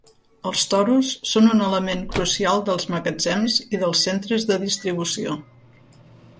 Els toros són un element crucial dels magatzems i dels centres de distribució.